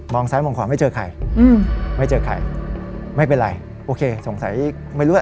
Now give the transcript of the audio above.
ซ้ายมองขวาไม่เจอใครอืมไม่เจอใครไม่เป็นไรโอเคสงสัยไม่รู้อะไร